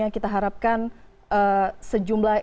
yang kita harapkan sejumlah